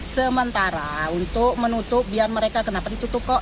sementara untuk menutup biar mereka kenapa ditutup kok